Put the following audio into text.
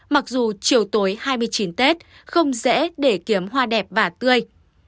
mặc dù chiều tối hai mươi chín tết không dễ để kiếm hoa đẹp và tươi